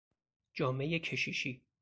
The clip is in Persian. جامهی کشیشی